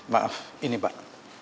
maaf ini pak